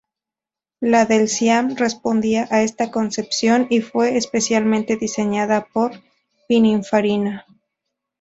La del Siam respondía a esta concepción y fue especialmente diseñada por Pininfarina.